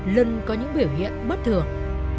lân có những biểu hiện bất thường